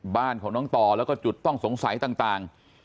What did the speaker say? บ้านของน้องต่อแล้วก็จุดต้องสงสัยต่าง